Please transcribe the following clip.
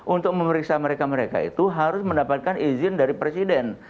untuk memeriksa mereka mereka itu harus mendapatkan izin dari presiden